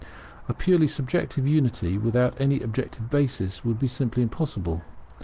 A purely subjective unity, without any objective basis, would be simply impossible.